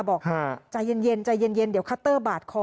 บอกฮะใจเย็นเย็นใจเย็นเย็นเดี๋ยวคัตเตอร์บาดคอ